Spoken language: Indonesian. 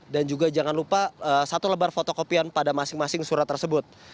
dan juga jangan lupa satu lebar fotokopian pada masing masing surat tersebut